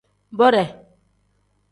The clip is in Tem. Bode.